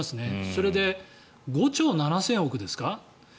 それで５兆７０００億円ですか。